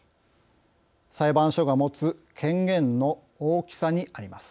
裁判所が持つ権限の大きさにあります。